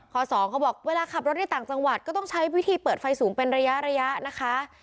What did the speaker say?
สองเขาบอกเวลาขับรถในต่างจังหวัดก็ต้องใช้วิธีเปิดไฟสูงเป็นระยะระยะนะคะ